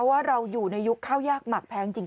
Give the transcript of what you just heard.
ว่าเราอยู่ในยุคข้าวยากหมักแพงจริง